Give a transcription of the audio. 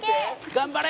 「頑張れ！」